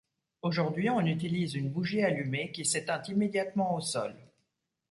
Aujourd'hui, on utilise une bougie allumée qui s'éteint immédiatement au sol.